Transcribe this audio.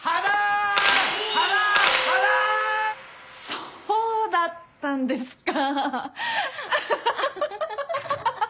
そうだったんですか。